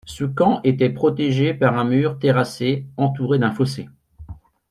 Ce camp était protégé par un mur terrassé entouré d'un fossé.